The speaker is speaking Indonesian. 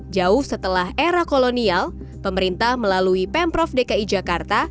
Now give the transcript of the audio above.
jauh setelah era kolonial pemerintah melalui pemprov dki jakarta